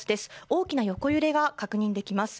大きな横揺れが確認できます。